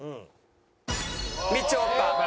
みちょぱ！